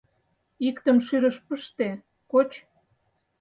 Иктым шӱрыш пыште, коч.